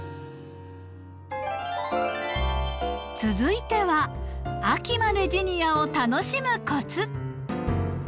続いては秋までジニアを楽しむコツ。